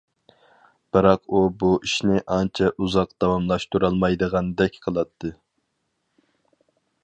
بىراق ئۇ بۇ ئىشنى ئانچە ئۇزاق داۋاملاشتۇرالمايدىغاندەك قىلاتتى.